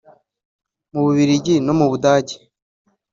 mu Bubirigi no mu Budage